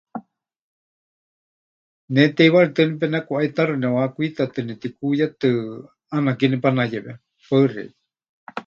Ne teiwaritɨ́a nepenekuʼaitáxɨ neʼuhakwitatɨ, netikuuyetɨ, ʼaana ke nepanayewe. Paɨ xeikɨ́a.